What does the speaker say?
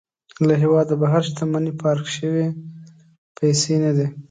له هېواده بهر شتمني پارک شوې پيسې نه دي.